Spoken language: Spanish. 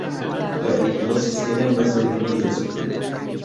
La hipnosis tiende más al dominio del sujeto.